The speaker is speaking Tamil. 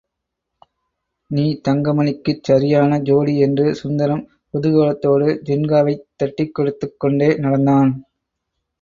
நீ தங்கமணிக்குச் சரியான ஜோடி என்று சுந்தரம் குதூகலத்தோடு ஜின்காவைத் தட்டிக் கொடுத்துக்கொண்டே நடந்தான்.